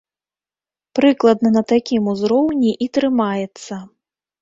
Прыкладна на такім узроўні і трымаецца.